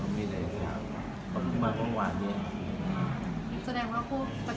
แม่งแม่งแม่งแม่งแม่งแม่งแม่งแม่งแม่งแม่งแม่งแม่งแม่งแม่ง